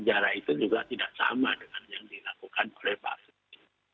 juga tidak sama dengan yang dilakukan oleh pak fikri